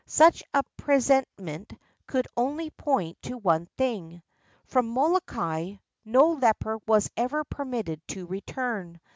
Such a presentiment could only point to one thing. From Molokai no leper was ever permitted to return.